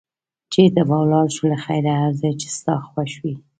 چېرته به ولاړ شو له خیره؟ هر ځای چې ستا خوښ وي.